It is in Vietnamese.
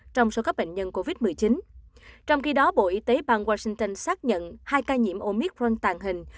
trong khi đó bộ y tế bang washington xác nhận hai ca nhiễm omicron tàng hình